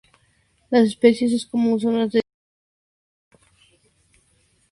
La especie es común en zonas de sabana con agua en su proximidad.